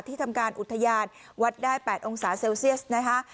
ทำการอุทยานวัดได้๘องศาเซลเซียสนะคะ